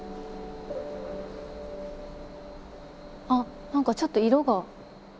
あっ、なんかちょっと色が。